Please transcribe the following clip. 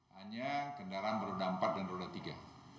hanya kendaraan beruda empat dan beruda tiga